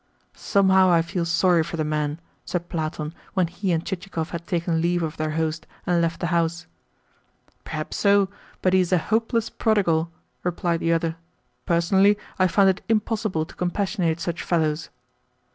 "Somehow I feel sorry for the man," said Platon when he and Chichikov had taken leave of their host, and left the house. "Perhaps so, but he is a hopeless prodigal," replied the other. "Personally I find it impossible to compassionate such fellows."